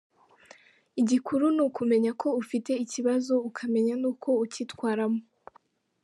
Igikuru ni ukumenya ko ufite ikibazo ukamenya n’uko ucyitwaramo.